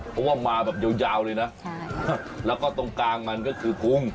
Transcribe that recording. เพราะว่ามาแบบยาวเลยนะแล้วก็ตรงกลางมันก็คือกุ้ง